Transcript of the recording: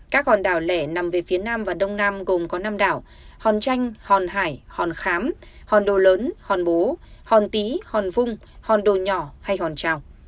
các hòn đảo lẻ nằm về phía nam và đông nam gồm có năm đảo hòn chanh hòn hải hòn khám hòn đồ lớn hòn bú hòn tí hòn vung hòn đồ nhỏ hay hòn trào